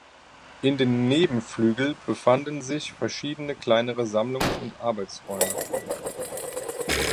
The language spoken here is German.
In den Nebenflügel befanden sich verschieden kleinere Sammlungs- und Arbeitsräume.